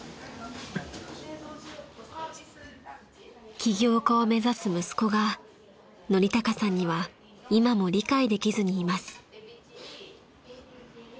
［起業家を目指す息子が教貴さんには今も理解できずにいます］